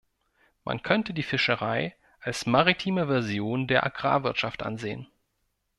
Man könnte die Fischerei als maritime Version der Agrarwirtschaft ansehen.